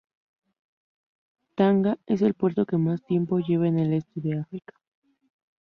Tanga es el puerto que más tiempo lleva en el este de África.